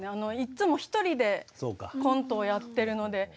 いつも一人でコントをやってるので。